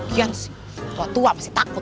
gian sih tua tua pasti takut